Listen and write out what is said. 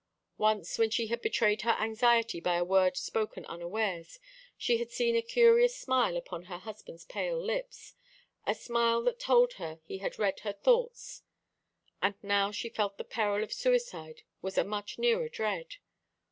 Once, when she had betrayed her anxiety by a word spoken unawares, she had seen a curious smile upon her husband's pale lips, a smile that told her he had read her thoughts; and now she felt the peril of suicide was a much nearer dread.